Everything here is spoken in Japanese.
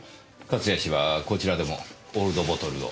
勝谷氏はこちらでもオールドボトルを？